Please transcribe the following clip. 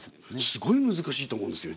すごい難しいと思うんですよ。